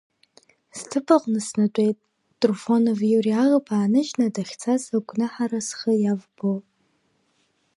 Сҭыԥаҟны снатәеит, Труфонов Иури аӷба ааныжьны дахьцаз агәнаҳара схы иавбо.